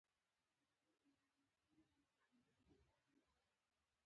کورس د ژور فکر مرکز دی.